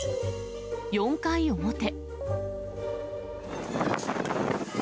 ４回表。